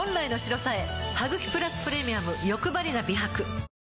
「ハグキプラスプレミアムよくばりな美白」